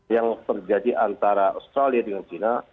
yang terjadi antara australia dengan china